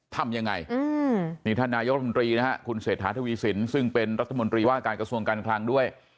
ทำยังไงนี่ท่านนายกรมนตรีนะฮะคุณเศรษฐาทวีสินซึ่งเป็นรัฐมนตรีว่าการกระทรวงการคลังด้วย